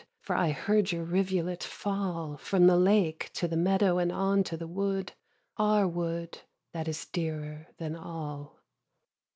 For I heard your rivulet fall From the lake to the meadow and on to the wood, Our wood, that is dearer than all; 7.